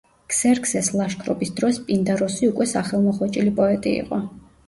ქსერქსეს ლაშქრობის დროს პინდაროსი უკვე სახელმოხვეჭილი პოეტი იყო.